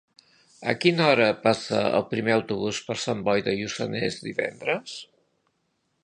A quina hora passa el primer autobús per Sant Boi de Lluçanès divendres?